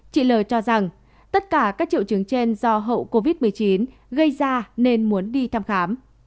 chị l cho rằng tất cả các triệu chứng trên do hậu covid một mươi chín gây ra nên muốn đi thăm khám